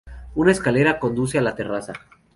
Una escalera conduce a la terraza.